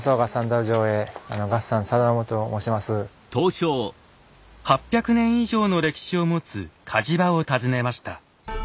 ８００年以上の歴史を持つ鍛冶場を訪ねました。